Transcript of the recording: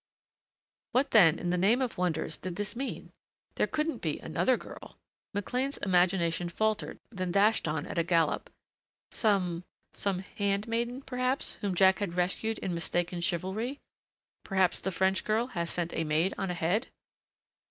What then in the name of wonders did this mean? There couldn't be another girl? McLean's imagination faltered then dashed on at a gallop. Some some hand maiden, perhaps, whom Jack had rescued in mistaken chivalry? Perhaps the French girl has sent a maid on ahead?